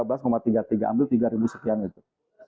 ambil tiga sekian itu